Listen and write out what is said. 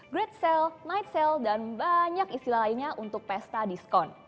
great sale night sale dan banyak istilah lainnya untuk pesta diskon